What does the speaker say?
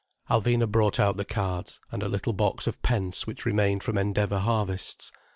Alvina brought out the cards, and a little box of pence which remained from Endeavour harvests.